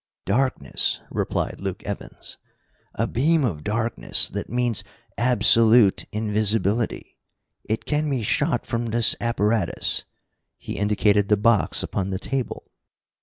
"Darkness," replied Luke Evans. "A beam of darkness that means absolute invisibility. It can be shot from this apparatus" he indicated the box upon the table.